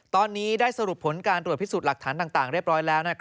ตอนนี้ได้สรุปผลการตรวจพิสูจน์หลักฐานต่างเรียบร้อยแล้ว